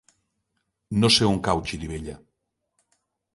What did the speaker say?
No sé on cau Xirivella.